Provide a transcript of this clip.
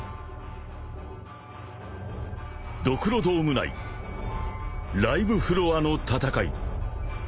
［ドクロドーム内ライブフロアの戦い］